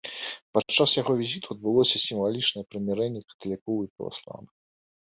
Падчас яго візіту адбылося сімвалічнае прымірэнне каталікоў і праваслаўных.